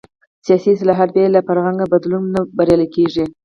سیاسي اصلاحات بې له فرهنګي بدلون نه بریالي کېږي.